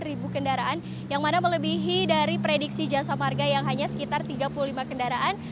dua puluh ribu kendaraan yang mana melebihi dari prediksi jasa marga yang hanya sekitar tiga puluh lima kendaraan